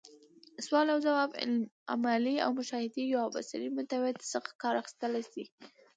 سوال اوځواب، عملي او مشاهدي يا بصري ميتود څخه کار اخستلاي سي.